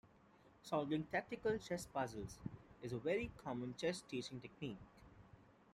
Solving tactical chess puzzles is a very common chess teaching technique.